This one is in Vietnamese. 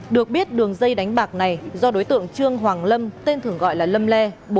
được biết đường dây đánh bạc này do đối tượng trương hoàng lâm tên thường gọi là lâm lê